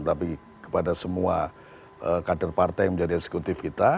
tapi kepada semua kader partai yang menjadi eksekutif kita